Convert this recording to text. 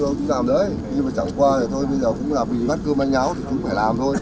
chú làm thôi